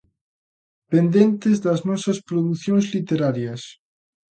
Pendentes das nosas producións literarias.